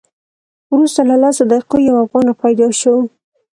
وروسته له لسو دقیقو یو افغان را پیدا شو.